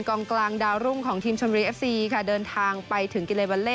กลางกลางดาวรุ่งของทีมชนบุรีเอฟซีค่ะเดินทางไปถึงกิเลวัลเล่